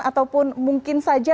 ataupun mungkin saja